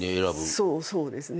そうそうですね。